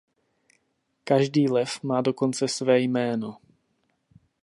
Každý lev má dokonce své jméno.